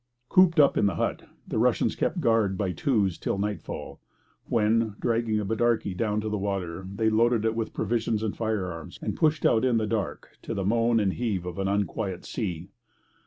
Cooped up in the hut, the Russians kept guard by twos till nightfall, when, dragging a bidarkie down to the water, they loaded it with provisions and firearms, and pushed out in the dark to the moan and heave of an unquiet sea.